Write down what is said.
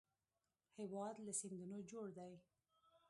هېواد له سیندونو جوړ دی